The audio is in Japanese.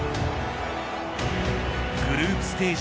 グループステージ